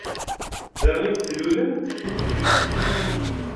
Da i tlulemt?